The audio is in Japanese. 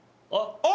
あっ！